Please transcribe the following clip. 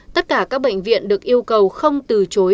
tất cả các bệnh viện được yêu cầu không từ chối